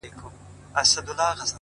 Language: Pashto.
• ما چي ټانګونه په سوکونو وهل,